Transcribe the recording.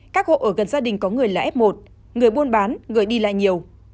các hộ ở gần gia đình có người là f một người buôn bán người đi lại nhiều